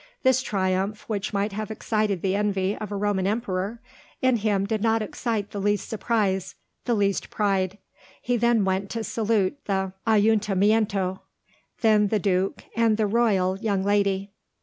This triumph, which might have excited the envy of a Roman emperor, in him did not excite the least surprise the least pride. He then went to salute the ayuntamiento; then the Duke and the "royal" young lady.